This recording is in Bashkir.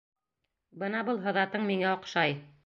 Бына был һыҙатың миңә оҡшай!